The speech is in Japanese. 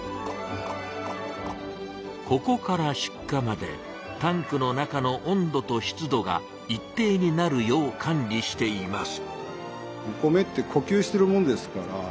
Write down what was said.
ここから出荷までタンクの中の温度と湿度が一定になるよう管理しています。